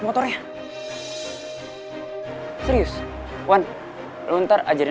nanti gue mau ngajarin